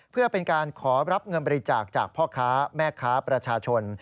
เพื่อเป็นการขอรับเงินบริจาคจากพ่อค้าแม่ค้าประชาชน